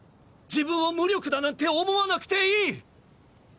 自分を無力だなんて思わなくていい。